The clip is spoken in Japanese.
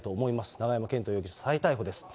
永山絢斗容疑者、再逮捕です。